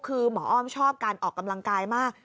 คือหมออ้อมชอบการออกกำลังกายมาก